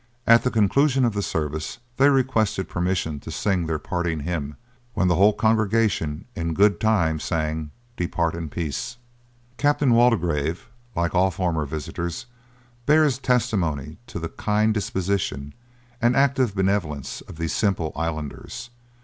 At the conclusion of the service they requested permission to sing their parting hymn, when the whole congregation, in good time, sang 'Depart in peace.' Captain Waldegrave, like all former visitors, bears testimony to the kind disposition and active benevolence of these simple islanders.